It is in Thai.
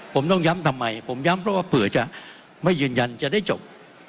ผมต้องย้ำทำไมผมย้ำเพราะว่าเผื่อจะไม่ยืนยันจะได้จบ